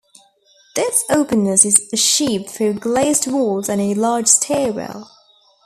This openness is achieved through glazed walls and a large stairwell.